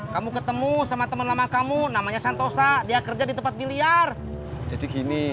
kamu ketemu sama teman lama kamu namanya santosa dia kerja di tempat biliar jadi gini